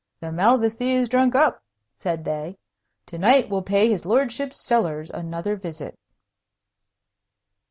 "The Malvoisie is drunk up," said they; "to night we'll pay his lordship's cellars another visit."